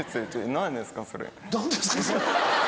「何ですかそれ」。